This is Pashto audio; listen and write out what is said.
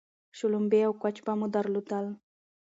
شلومبې او کوچ به مو درلودل